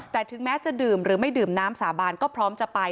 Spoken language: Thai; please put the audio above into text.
แต่ถึงแม้จะดื่มหรือไม่ดื่มน้ำสาบานก็พร้อมจะไป